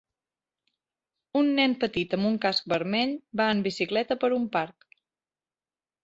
Un nen petit amb un casc vermell va en bicicleta per un parc.